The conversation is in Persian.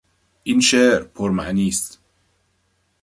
این شعر پر معنی است.